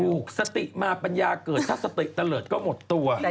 สติมาปัญญาเกิดถ้าสติเตลิศก็หมดตัว